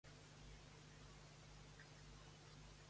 De què es tracta Éirinn?